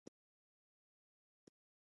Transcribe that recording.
د کورونو بیمه شته؟